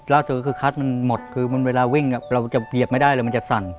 ล่าสุดคือคัดมันหมดคือเวลาวิ่งเราจะเหยียบไม่ได้เลยมันจะสั่น